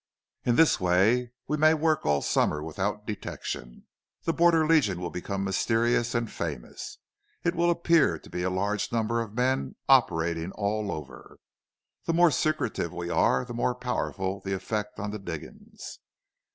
In this way we may work all summer without detection. The Border Legion will become mysterious and famous. It will appear to be a large number of men, operating all over. The more secretive we are the more powerful the effect on the diggings.